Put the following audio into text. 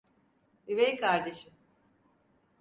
Üvey kardeşim.